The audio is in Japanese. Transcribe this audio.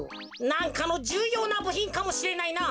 なんかのじゅうようなぶひんかもしれないな。